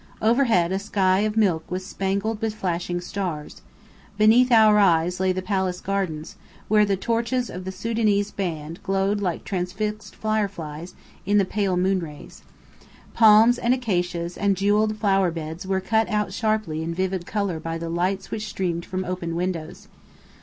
Overhead a sky of milk was spangled with flashing stars. Beneath our eyes lay the palace gardens, where the torches of the Sudanese band glowed like transfixed fireflies, in the pale moon rays. Palms and acacias and jewelled flower beds, were cut out sharply in vivid colour by the lights which streamed from open windows.